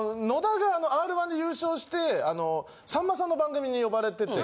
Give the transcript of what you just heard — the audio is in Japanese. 野田がＲー１で優勝して、さんまさんの番組に呼ばれてて。